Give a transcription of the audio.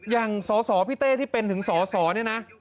อย่างสสพี่เต้ที่เป็นถึงสสเนี่ยนะ